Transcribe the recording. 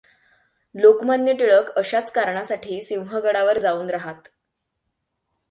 लोकमान्य टिळक अशाच कारणासाठी सिंहगडावर जाऊन रहात.